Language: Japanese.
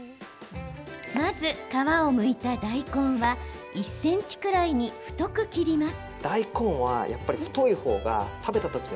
まず、皮をむいた大根は１ｃｍくらいに太く切ります。